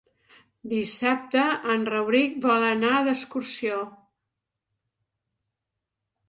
Dissabte en Rauric vol anar d'excursió.